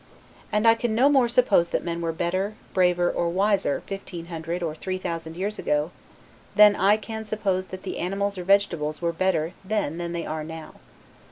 And I can no more suppose that men were better, braver, or wiser, fifteen hundred or three thousand years ago, than I can suppose that the animals or vegetables were better then than they are now.